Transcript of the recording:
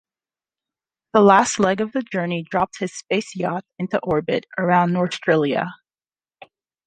The last leg of the journey drops his space yacht into orbit around Norstrilia.